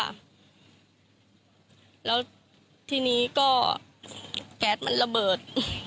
แล้วทีนี้ก็แก๊สมันระเบิด